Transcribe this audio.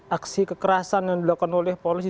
aksi kekerasan yang dilakukan oleh polisi